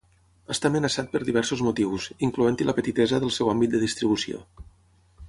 Està amenaçat per diversos motius, incloent-hi la petitesa del seu àmbit de distribució.